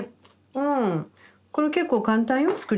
うんこれ結構簡単よ作り方。